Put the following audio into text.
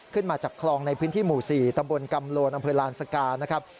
ขึ้นมาจากคลองในพื้นที่หมู่๔ตำบลกำโลนอำเภอลานสกานะครับ